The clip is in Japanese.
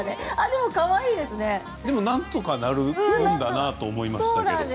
でも、なんとかなるもんだなと思いました。